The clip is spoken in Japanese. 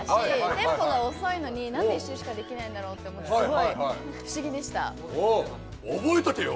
テンポが遅いのになんで１周しかできないんだろうってすごい不思議でした。